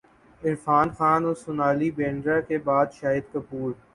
عرفان خان اور سونالی بیندر ے کے بعد شاہد کپور